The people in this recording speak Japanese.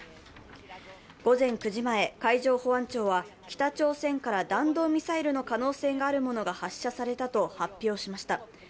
午前９時前、海上保安庁は北朝鮮から弾道ミサイルの可能性があるものが発射されたと発表しました。